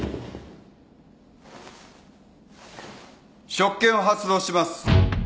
職権を発動します。